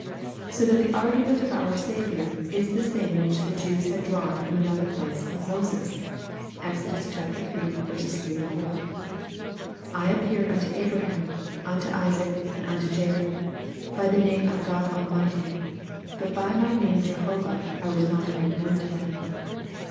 So that the argument of our Saviour is the same which the Jews have drawn from another place of Moses. (Exod. vi. 3, 4.) ' I appeared unto Abraham, unto Isaac, and unto Jacob, by the name of God Almighty, but by my name Jehovah was I not made known to them.